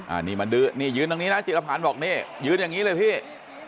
อันนี้มาดื้อนี่ยืนตรงนี้นะจิรพันธ์บอกนี่ยืนอย่างนี้เลยพี่